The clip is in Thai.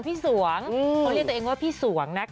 เอาเรียนตัวเองว่าพี่ส่วง